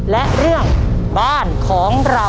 และเรื่องบ้านของเรา